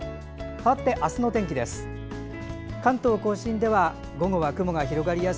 かわって明日の天気です。